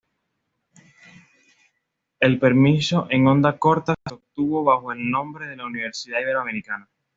El permiso en onda corta se obtuvo bajo el nombre de la Universidad Iberoamericana.